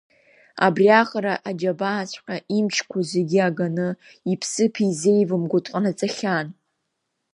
Абри аҟара аџьабааҵәҟьа имчқәа зегьы аганы, иԥсыԥ изеивымго дҟанаҵахьан.